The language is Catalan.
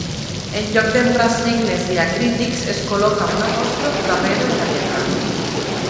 En lloc d'emprar signes diacrítics es col·loca un apòstrof darrere de la lletra.